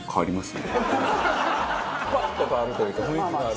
パッと変わるというか雰囲気のある。